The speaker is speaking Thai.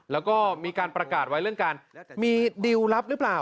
แล้วก็มีการประกาศไว้เรื่องการมีดิวลลับหรือเปล่า